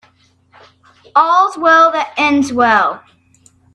All's well that ends well.